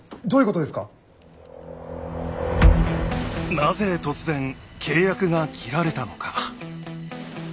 なぜ突然契約が切られたのか。